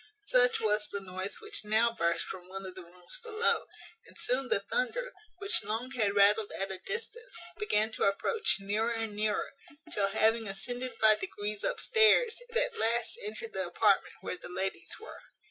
Such was the noise which now burst from one of the rooms below; and soon the thunder, which long had rattled at a distance, began to approach nearer and nearer, till, having ascended by degrees upstairs, it at last entered the apartment where the ladies were.